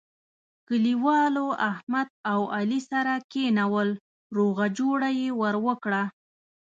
کلیوالو احمد او علي سره کېنول روغه جوړه یې ور وکړه.